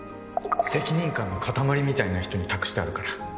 責任感の塊みたいな人に託してあるから。